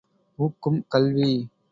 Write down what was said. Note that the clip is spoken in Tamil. ஊக்கும் கல்வி ….